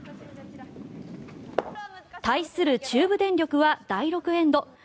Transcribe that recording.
対する中部電力は第６エンド。